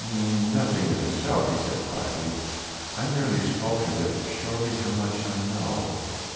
"Nothing in itself," he said quietly. "I merely spoke of it to show thee how much I know.